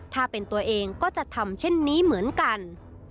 ถ้าเป็นตัวเองก็จะทำเช่นนี้เหมือนกัน